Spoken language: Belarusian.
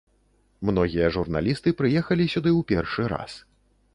Многія журналісты прыехалі сюды ў першы раз.